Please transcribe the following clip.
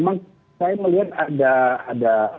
memang saya melihat ada